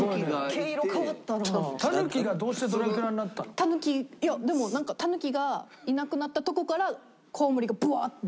タヌキいやでもなんかタヌキがいなくなったとこからコウモリがブワーって。